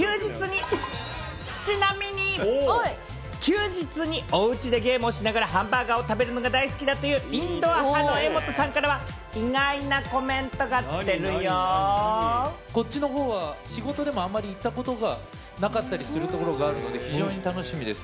ちなみに休日におうちでゲームをしながら、ハンバーガーを食べるのが大好きだというインドア派の柄本さんかこっちのほうは、仕事でもあんまり行ったことがなかったりする所があるので、非常に楽しみです。